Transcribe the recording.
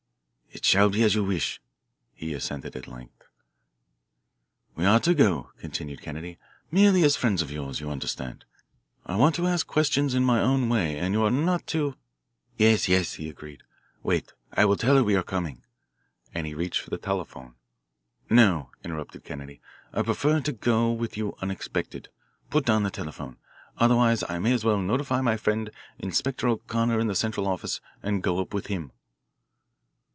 "It shall be as you wish," he assented at length. "We are to go," continued Kennedy, "merely as friends of yours, you understand? I want to ask questions in my own way, and you are not to " "Yes, yes," he agreed. "Wait. I will tell her we are coming," and he reached for the telephone. "No," interrupted Kennedy. "I prefer to go with you unexpected. Put down the telephone. Otherwise, I may as well notify my friend Inspector O'Connor of the Central Office and go up with him."